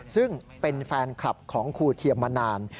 ซึ่งเป็นแฟนคลับของครูเทียมมานาน